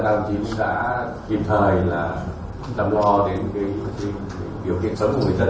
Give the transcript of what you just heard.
thứ hai là đồng chí đã kịp thời là làm lo đến cái điều kiện sống của người dân